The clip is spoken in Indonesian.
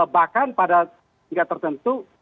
bahkan pada tingkat tertentu